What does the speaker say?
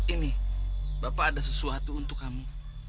ini bapak ada sesuatu untuk kamu